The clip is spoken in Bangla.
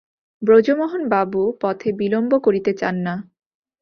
ব্রজমোহনবাবু পথে বিলম্ব করিতে চান না।